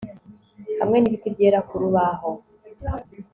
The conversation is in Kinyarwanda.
hamwe n'ibiti byera ku rubaho